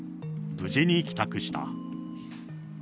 無事に帰宅した。